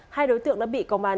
hai đối tượng đã bị công an